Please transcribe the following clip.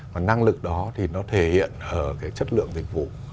và năng lực đó thì nó thể hiện ở cái chất lượng dịch vụ